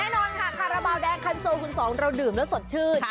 แน่นอนค่ะคาราบาลแดงคันโซคุณสองเราดื่มแล้วสดชื่น